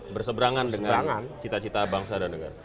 berseberangan dengan cita cita bangsa dan negara